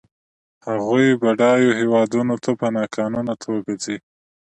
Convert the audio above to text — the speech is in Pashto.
هغوی بډایو هېوادونو ته په ناقانونه توګه ځي.